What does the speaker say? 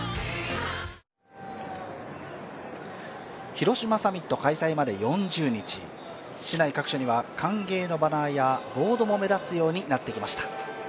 広島サミット開催まで４０日、市内各所には歓迎のバナーやボードも目立つようになってきました。